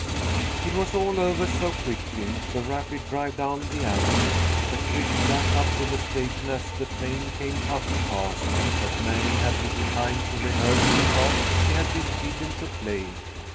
It was all over so quickly, the rapid drive down the avenue, the quick dash up to the station as the train came puffing past, that Mary had little time to rehearse the part she had been bidden to play.